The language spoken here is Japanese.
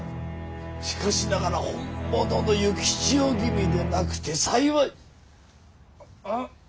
しかしながら本物の幸千代君でなくて幸いあっ。